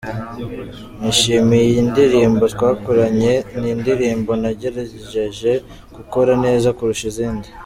Nishimiye iyi ndirimbo twakoranye, ni indirimbo nagerageje gukora neza kurusha izindi.